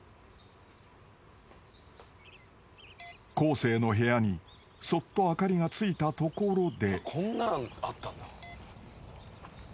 生の部屋にそっと灯りがついたところで］